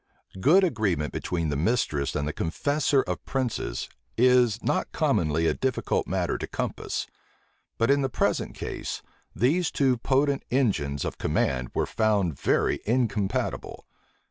Good agreement between the mistress and the confessor of princes is not commonly a difficult matter to compass: but in the present case, these two potent engines of command were found very incompatible.